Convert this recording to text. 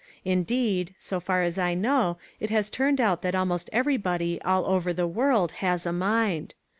Indeed, so far as I know it has turned out that almost everybody all over the world has a mind.